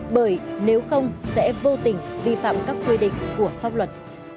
bởi nếu không sẽ vô tình vi phạm các quy định của pháp luật